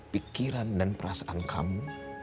pikiran dan perasaan kamu